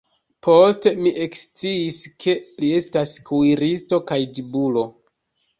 Poste mi eksciis, ke li estas kuiristo kaj ĝibulo.